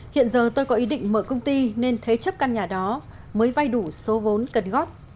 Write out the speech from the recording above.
hiện giờ tôi có ý định mở công ty nên thế chấp căn nhà đó mới vay đủ số vốn cần góp